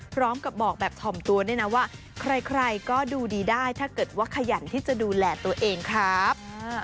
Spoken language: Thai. พร้อมกับบอกแบบถ่อมตัวด้วยนะว่าใครก็ดูดีได้ถ้าเกิดว่าขยันที่จะดูแลตัวเองครับ